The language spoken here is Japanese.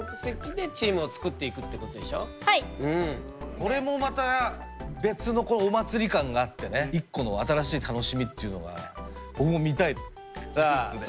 これもまた別のお祭り感があってね一個の新しい楽しみというのが僕も見たい。